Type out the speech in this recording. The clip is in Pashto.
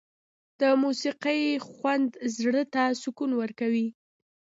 د موسيقۍ خوند زړه ته سکون ورکوي.